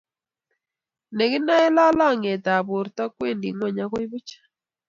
Ne kinae lalangiet ab borto ko wendi ngweny akoi buch